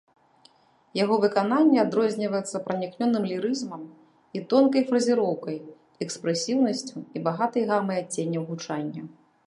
Яго выкананне адрозніваецца пранікнёным лірызмам і тонкай фразіроўкай, экспрэсіўнасцю і багатай гамай адценняў гучання.